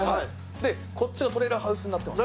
こっちがトレーラーハウスになってます。